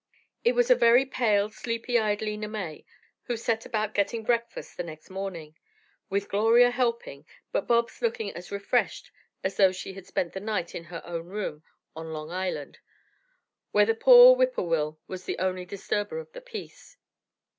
It was a very pale, sleepy eyed Lena May who set about getting breakfast the next morning, with Gloria helping, but Bobs looked as refreshed as though she had spent the night in her own room on Long Island, where the whippoorwill was the only disturber of the peace.